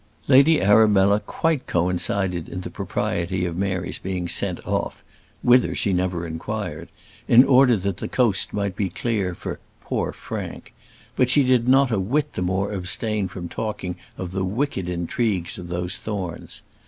Lady Arabella quite coincided in the propriety of Mary's being sent off, whither she never inquired, in order that the coast might be clear for "poor Frank;" but she did not a whit the more abstain from talking of the wicked intrigues of those Thornes.